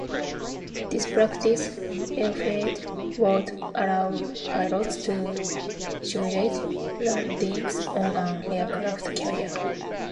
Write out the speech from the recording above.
This practice airfield would allow pilots to simulate landings on an aircraft carrier.